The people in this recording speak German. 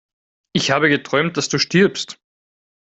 Ich habe geträumt, dass du stirbst!